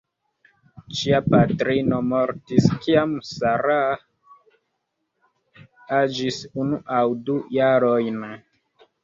Ŝia patrino mortis kiam Sarah aĝis unu aŭ du jarojn.